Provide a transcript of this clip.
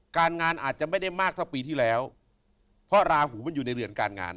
การงานอาจจะไม่ได้มากเท่าปีที่แล้วเพราะราหูมันอยู่ในเรือนการงาน